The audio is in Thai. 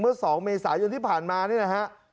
๒เมษายนที่ผ่านมานี่นะฮะ